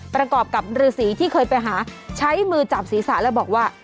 ประกอบกับฤษีที่เคยไปหาใช้มือจับศีรษะแล้วบอกว่า